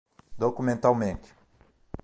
documentalmente